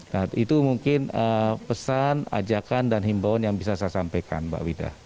nah itu mungkin pesan ajakan dan himbauan yang bisa saya sampaikan mbak wida